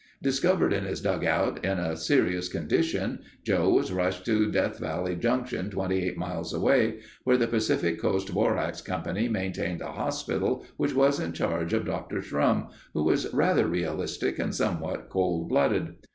Discovered in his dugout in a serious condition, Joe was rushed to Death Valley Junction 28 miles away, where the Pacific Coast Borax Company maintained a hospital which was in charge of Dr. Shrum, who was rather realistic and somewhat cold blooded.